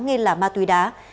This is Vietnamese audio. nghi là ma tuy đá